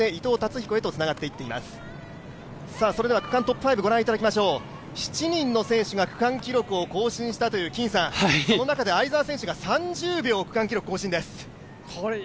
区間トップ５御覧いただきましょう７人の選手が区間記録を更新しましたが、その中で相澤選手が３０秒、区間記録更新です。